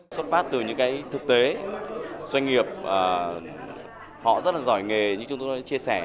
xuất phát từ những cái thực tế doanh nghiệp họ rất là giỏi nghề như chúng tôi chia sẻ